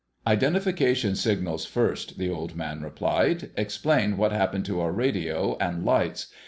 "Identification signals first," the Old Man replied. "Explain what happened to our radio and lights.